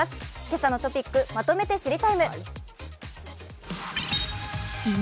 「けさのトピックまとめて知りＴＩＭＥ，」